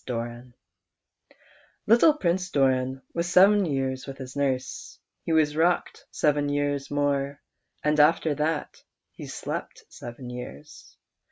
^l5V"'^^V^ ITTLE Prince Doran was sev^en years with his nurse ; he was rocked seven years more, and after that he slept seven years.